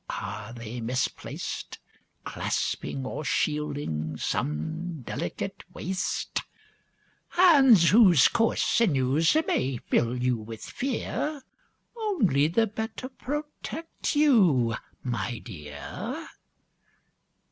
Are they misplaced Clasping or shielding some delicate waist? Hands whose coarse sinews may fill you with fear Only the better protect you, my dear!